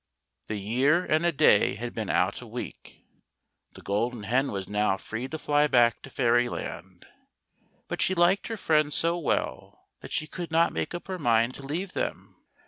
The year and a day had been out a week, the Golden Hen was now free to fly back to Fairyland, but she liked her friends so well, that she could not make up her mind to leave them.